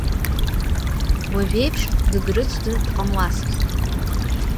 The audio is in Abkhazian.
Уажәеиԥш дгыгрыцәӡа дҟамлацызт.